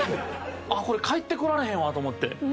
これ帰ってこられへんわと思って。